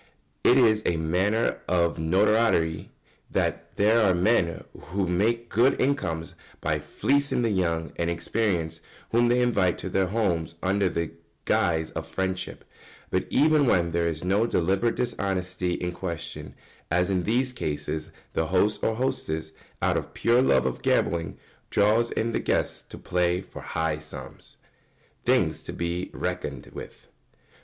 It is a matter of notoriety that there are men who make good incomes by fleecing the young and inexperienced whom they invite to their houses under the guise of friendship; but even when there is no deliberate dishonesty in question, as in these cases, the host or hostess, out of pure love of gambling, draws in the guests to play for high sums. [Sidenote: Things to be reckoned with.